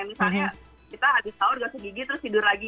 misalnya kita habis sahur gosok gigi terus tidur lagi